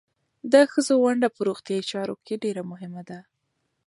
د ښځو ونډه په روغتیايي چارو کې ډېره مهمه ده.